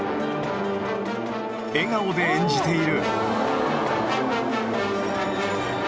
笑顔で演じている。